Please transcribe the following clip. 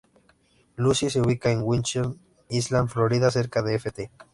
Lucie, se ubica en Hutchinson Island, Florida, cerca de Ft.